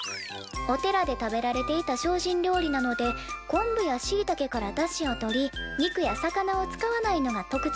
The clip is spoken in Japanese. お寺で食べられていた精進料理なので昆布やしいたけからだしをとり肉や魚を使わないのが特徴です。